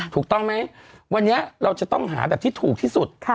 ถูกต้องไหมวันนี้เราจะต้องหาแบบที่ถูกที่สุด